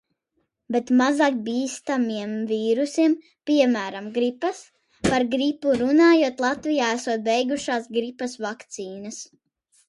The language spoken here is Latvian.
Bet mazāk bīstamiem vīrusiem, piemēram, gripas. Par gripu runājot, Latvijā esot beigušās gripas vakcīnas.